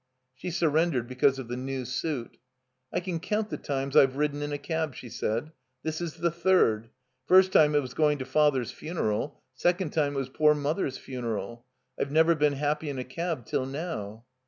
She surrendered because of the new suit. "I can coimt the times I've ridden in a cab," she said. "This is the third. First time it was going to Father's fimeral. Second time it was poor Mother's fimeral. I've never been happy in a cab till now."